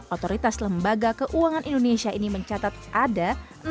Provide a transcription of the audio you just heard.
otoritas lembaga keuangan indonesia ini mencatat ada